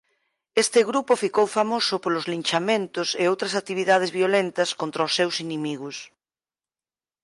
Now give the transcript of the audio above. Este grupo ficou famoso polos linchamentos e outras actividades violentas contra os seus "inimigos".